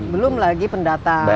belum lagi pendatang